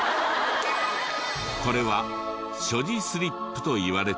これは書字スリップといわれていて。